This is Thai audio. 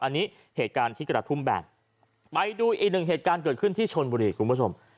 อันนี้เหตุการณ์ที่กระทุ่มแบนไปดูอีกหนึ่งเหตุการณ์เกิดขึ้นที่ชนบุรีคุณผู้ชม